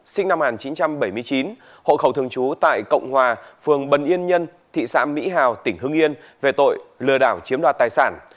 sinh năm một nghìn chín trăm bảy mươi chín hộ khẩu thường trú tại cộng hòa phường bần yên nhân thị xã mỹ hào tỉnh hưng yên về tội lừa đảo chiếm đoạt tài sản